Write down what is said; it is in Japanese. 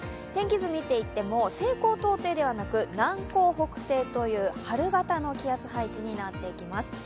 天気図見ていっても、西高東低ではなく南高北低という春型の気圧配置になってきます。